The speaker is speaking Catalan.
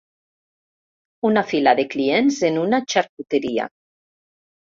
Una fila de clients en una xarcuteria.